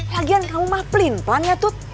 lagian kamu mah pelin pelan ya tut